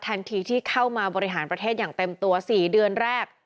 ที่เข้ามาบริหารประเทศอย่างเต็มตัว๔เดือนแรก